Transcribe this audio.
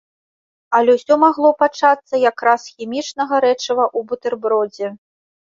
Але ўсё магло пачацца якраз з хімічнага рэчыва ў бутэрбродзе.